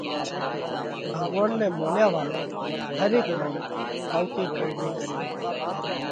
ڀڳوونَ نئہ مونيا واۯو هر هيڪ منک ٺائُوڪي ڪرڻي ڪريا